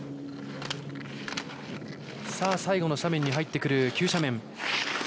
さあ最後の斜面に入ってくる急斜面。